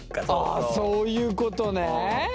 ああそういうことね。